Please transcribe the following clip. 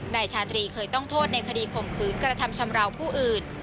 นายชาตรีเคยต้องโทษในคดีข่มขืนกระทำชำราวผู้อื่น